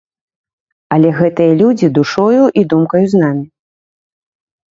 Але гэтыя людзі душою і думкаю з намі.